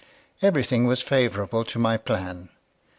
Everything was favorable to my plan.